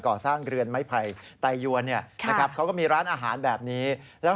ก่อสร้างเรือนไม้ไพไปไตยุนะครับเขาก็มีร้านอาหารแบบนี้แล้ว